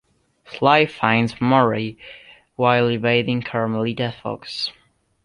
Sly finds Murray, while evading Carmelita Fox.